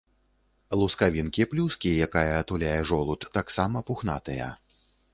Лускавінкі плюскі, якая атуляе жолуд, таксама пухнатыя.